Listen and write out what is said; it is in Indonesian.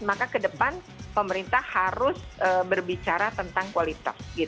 maka ke depan pemerintah harus berbicara tentang kualitas